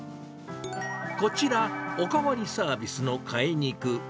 こちら、お代わりサービスの替え肉。